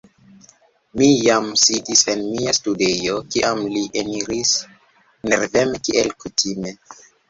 Mi jam sidis en mia studejo, kiam li eniris nerveme kiel kutime.